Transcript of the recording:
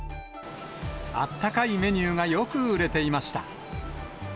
あったかいメニューがよく売れていました。